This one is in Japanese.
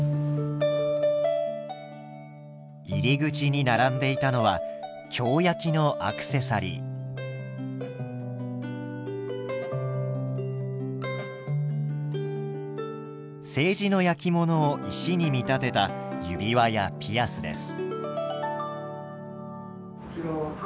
入り口に並んでいたのは青磁の焼き物を石に見立てた指輪やピアスです。